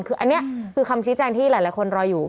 คืออันนี้คือคำชี้แจงที่หลายคนรออยู่